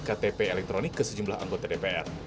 ktp elektronik ke sejumlah anggota dpr